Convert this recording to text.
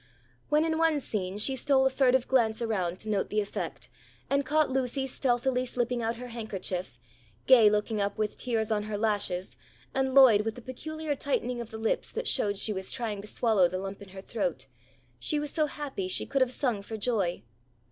When in one scene she stole a furtive glance around to note the effect, and caught Lucy stealthily slipping out her handkerchief, Gay looking up with tears on her lashes and Lloyd with the peculiar tightening of the lips that showed she was trying to swallow the lump in her throat, she was so happy she could have sung for joy.